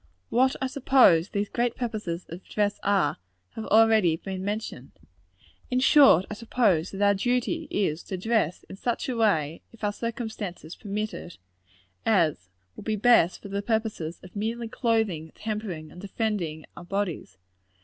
What I suppose these great purposes of dress are, has already been mentioned. In short, I suppose that our duty is, to dress in such a way, if our circumstances permit it, as will be best for the purposes of merely clothing, tempering and defending our bodies.